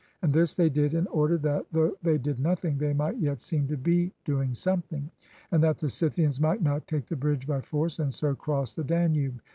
And this they did in order that, though they did nothing, they might yet seem to be doing something, and that the Scythians might not take the bridge by force, and so cross the Danube.